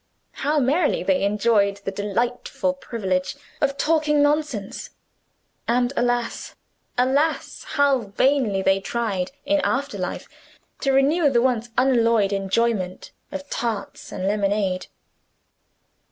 How merrily they enjoyed the delightful privilege of talking nonsense! And alas! alas! how vainly they tried, in after life, to renew the once unalloyed enjoyment of tarts and lemonade!